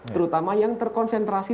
terutama yang terkonsentrasi